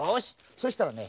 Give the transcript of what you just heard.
そしたらね